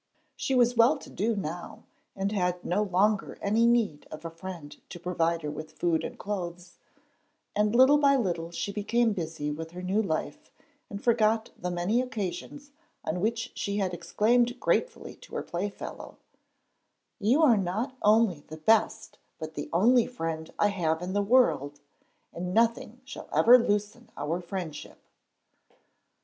She was well to do now, and had no longer any need of a friend to provide her with food and clothes, and little by little she became busy with her new life, and forgot the many occasions on which she had exclaimed gratefully to her playfellow, 'You are not only the best, but the only friend I have in the world, and nothing shall ever loosen our friendship.'